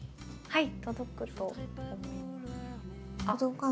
はい。